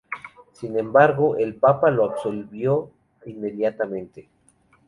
Sin embargo, el papa lo absolvió inmediatamente.